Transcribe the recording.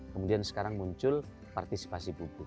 kemudian sekarang muncul partisipasi publik